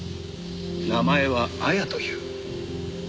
名前は亞矢という。